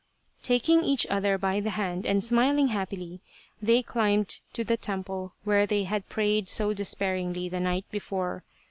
Taking each other by the hand and smiling happily, they climbed to the temple where they had prayed so despairingly the night before.